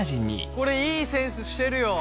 これいいセンスしてるよ。